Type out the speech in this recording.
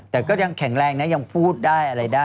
แต่ก็ยังแข็งแรงนะยังพูดได้อะไรได้